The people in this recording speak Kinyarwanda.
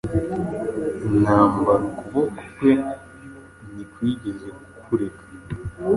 intambaraukuboko kwe ntikwigezekureka